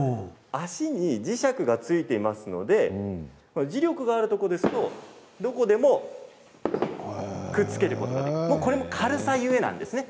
足に磁石が付いていますので磁力があるところですとどこでもくっつけることができるこれも軽さゆえなんですね。